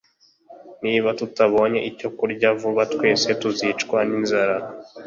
Niba tutabonye icyo kurya vuba, twese tuzicwa ninzara.